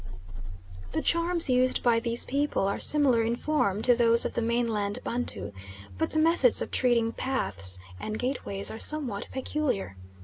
The charms used by these people are similar in form to those of the mainland Bantu, but the methods of treating paths and gateways are somewhat peculiar.